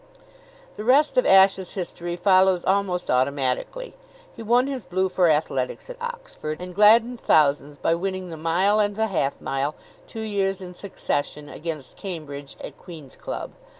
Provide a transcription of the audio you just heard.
The rest of Ashe's history follows almost automatically. He won his blue for athletics at Oxford, and gladdened thousands by winning the mile and the half mile two years in succession against Cambridge at Queen's Club.